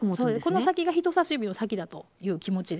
この先が人さし指の先だという気持ちで。